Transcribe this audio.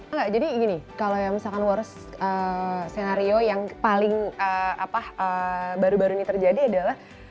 enggak jadi gini kalau misalkan worst senario yang paling baru baru ini terjadi adalah